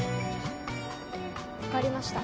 わかりました